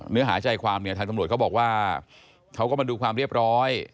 เนื้อหาใจความเนี่ยทางตำรวจเขาบอกว่าเขาก็มาดูความเรียบร้อย